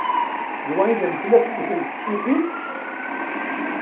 D wa ay d ameklas-nnek n tesfifin?